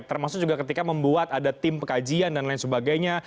termasuk juga ketika membuat ada tim pekajian dan lain sebagainya